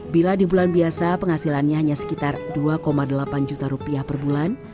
bila di bulan biasa penghasilannya hanya sekitar dua delapan juta rupiah per bulan